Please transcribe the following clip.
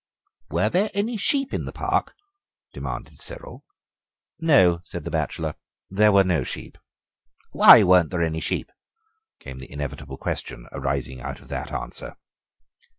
"Were there any sheep in the park?" demanded Cyril. "No;" said the bachelor, "there were no sheep." "Why weren't there any sheep?" came the inevitable question arising out of that answer.